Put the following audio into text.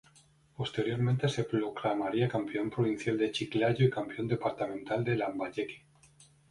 Posteriormente se proclamaría campeón provincial de Chiclayo y Campeón departamental de Lambayeque.